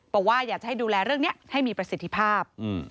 บอกว่าอยากจะให้ดูแลเรื่องนี้ให้มีประสิทธิภาพ